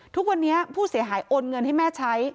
ทุกวันนี้ผู้เสียหายโอนเงินให้แม่ใช้